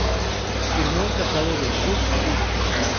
Firmó el Tratado de Cuz-Cuz.